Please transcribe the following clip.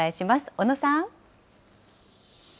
小野さん。